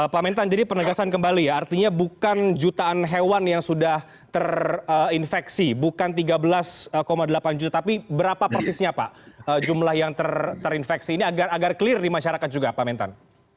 pak mentan jadi penegasan kembali ya artinya bukan jutaan hewan yang sudah terinfeksi bukan tiga belas delapan juta tapi berapa persisnya pak jumlah yang terinfeksi ini agar clear di masyarakat juga pak mentan